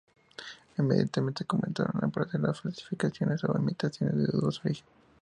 Inmediatamente comenzaron a aparecer las falsificaciones o imitaciones de dudoso origen.